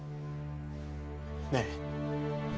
ねえ。